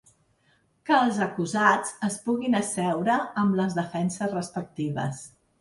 Que els acusats es puguin asseure amb les defenses respectives.